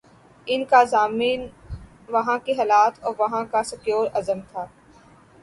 ان کا ضامن وہاں کے حالات اور وہاں کا سیکولر ازم تھا۔